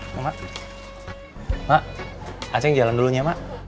ma'am ma'am asing jalan dulunya ma'am